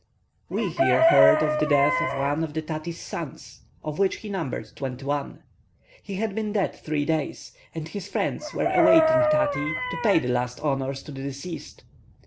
We here heard of the death of one of Tati's sons, of which he numbered twenty one. He had been dead three days, and his friends were awaiting Tati to pay the last honours to the deceased.